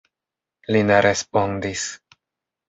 Li ne respondis.